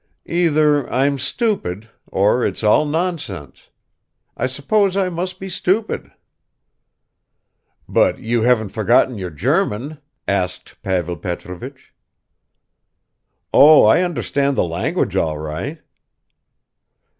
"Either I'm stupid, or it's all nonsense. I suppose I must be stupid." "But you haven't forgotten your German?" asked Pavel Petrovich. "Oh, I understand the language all right."